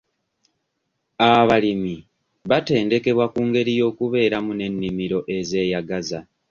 Abalimi batendekebwa ku ngeri y'okubeeramu n'ennimiro ezeyagaza.